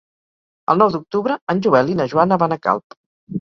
El nou d'octubre en Joel i na Joana van a Calp.